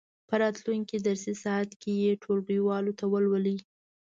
په راتلونکې درسي ساعت کې یې ټولګیوالو ته ولولئ.